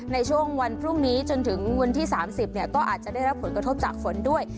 ในช่วงวันพรุ่งนี้จนถึงวันที่๓๐ก็อาจจะได้รับผลกระทบจากฝนด้วย